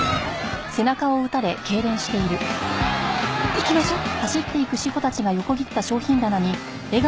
行きましょう。